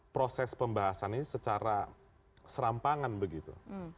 proses pembahasan ini secara serampangan begitu